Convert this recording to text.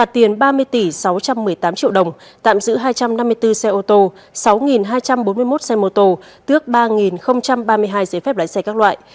tỉ sáu trăm một mươi tám triệu đồng tạm giữ hai trăm năm mươi bốn xe ô tô sáu hai trăm bốn mươi một xe mô tô tước ba ba mươi hai giấy phép lái xe các loại